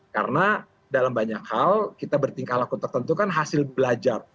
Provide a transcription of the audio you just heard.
karena dalam banyak hal kita bertingkah laku tertentu kan hasil belajar